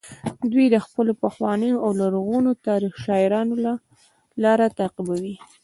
دوی د خپلو پخوانیو او لرغونو شاعرانو لاره تعقیبوي